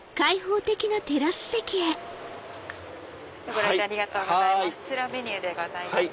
ご来店ありがとうございます